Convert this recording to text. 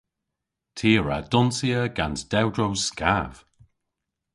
Ty a wra donsya gans dewdros skav.